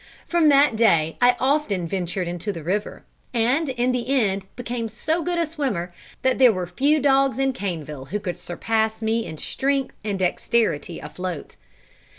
From that day I often ventured into the river, and in the end became so good a swimmer, that there were few dogs in Caneville who could surpass me in strength and dexterity afloat.